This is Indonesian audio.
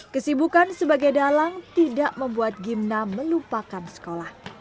kesibukan sebagai dalang tidak membuat gimna melupakan sekolah